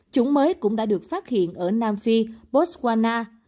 chủng mới cũng đã được phát hiện ở nam phi botswana